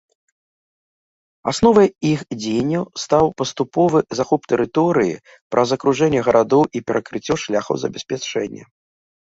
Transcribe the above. Асновай іх дзеянняў стаў паступовы захоп тэрыторыі праз акружэнне гарадоў і перакрыццё шляхоў забеспячэння.